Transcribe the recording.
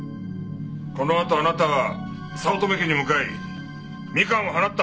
このあとあなたは早乙女家に向かいみかんを放った！